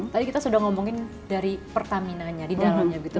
tadi kita sudah ngomongin dari pertaminanya di dalamnya gitu